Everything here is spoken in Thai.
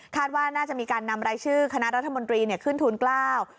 คาดว่าน่าจะมีการนำรายชื่อคณะรัฐมนตรีขึ้นทุนกล้าว